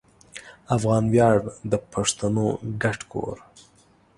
افغان ویاړ د پښتنو ګډ کور